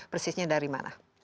persisnya dari mana